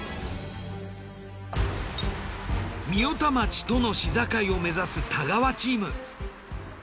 御代田町との市境を目指す太川チーム。